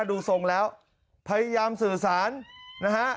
ดูทรงแล้วพยายามสื่อสารนะฮะ